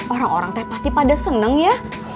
orang orang kayak pasti pada seneng ya